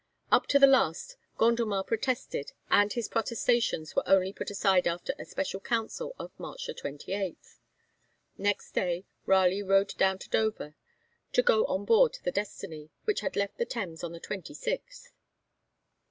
Up to the last, Gondomar protested, and his protestations were only put aside after a special council of March 28. Next day Raleigh rode down to Dover to go on board the 'Destiny,' which had left the Thames on the 26th.